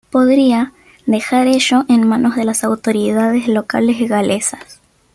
Podría "dejar ello en manos de las autoridades locales galesas".